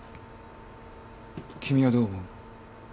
君はどう思う？